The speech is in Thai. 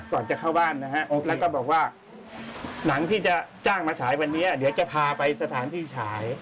ก่อนจะเข้าบ้านนะฮะแล้วก็บอกว่าหนังที่จะจ้างมาฉายวันนี้เดี๋ยวจะพาไปสถานที่ฉาย